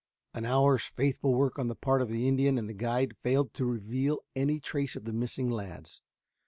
An hour's faithful work on the part of the Indian and the guide failed to reveal any trace of the missing lads.